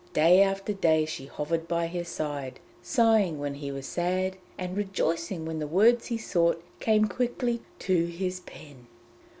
Day after day she hovered by his side, sighing when he was sad, and rejoicing when the words he sought came quickly to his pen.